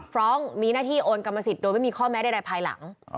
ร้องมีหน้าที่โอนกรรมสิทธิ์โดยไม่มีข้อแม้ใดภายหลัง